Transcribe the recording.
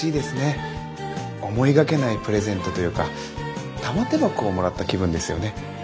思いがけないプレゼントというか玉手箱をもらった気分ですよね